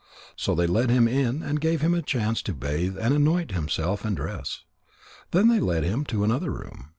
So they led him in and gave him a chance to bathe and anoint himself and dress. Then they led him to another room.